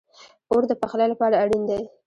اور د پخلی لپاره اړین دی